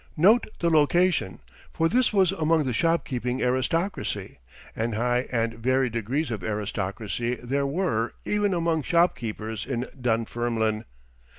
Note the location, for this was among the shopkeeping aristocracy, and high and varied degrees of aristocracy there were even among shopkeepers in Dunfermline.